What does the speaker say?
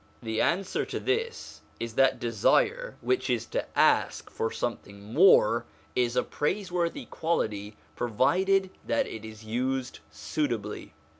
The answer to this is that desire, which is to ask for something more, is a praiseworthy quality provided that it is used suitably.